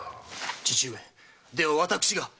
父上では私が！